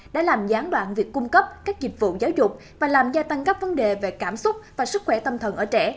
đã làm gián đoạn việc cung cấp các dịch vụ giáo dục và làm gia tăng các vấn đề về cảm xúc và sức khỏe tâm thần ở trẻ